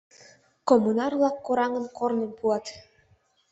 Коммунар-влак, кораҥын, корным пуат.